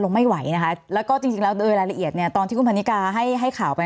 แล้วก็จริงแล้วรายละเอียดตอนที่คุณพนิกาให้ข่าวไป